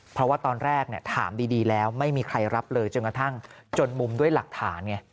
เพราะว่าตอนแรกถามดีแล้วไม่มีใครรับเลยจนกระทั่งจนมุมด้วยหลักฐานไง